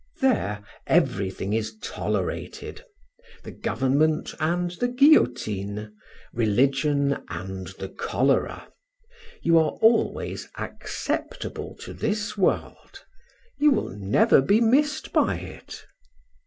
There everything is tolerated: the government and the guillotine, religion and the cholera. You are always acceptable to this world, you will never be missed by it.